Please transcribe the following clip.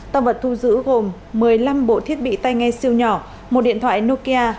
tăng vật thu giữ gồm một mươi năm bộ thiết bị tay nghe siêu nhỏ một điện thoại nokia